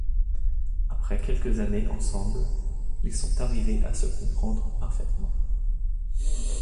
Après quelques années ensemble, ils sont arrivés à se comprendre parfaitement.